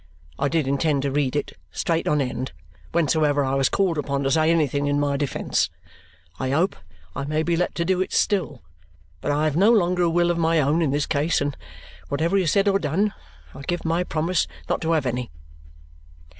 I did intend to read it, straight on end, whensoever I was called upon to say anything in my defence. I hope I may be let to do it still; but I have no longer a will of my own in this case, and whatever is said or done, I give my promise not to have any."